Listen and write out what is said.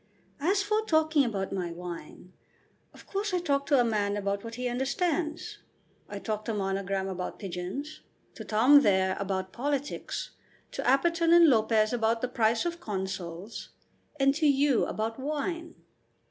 "And as for talking about my wine, of course I talk to a man about what he understands. I talk to Monogram about pigeons, to Tom there about politics, to Apperton and Lopez about the price of consols, and to you about wine.